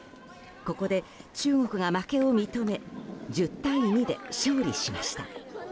ここで中国が負けを認め１０対２で勝利しました。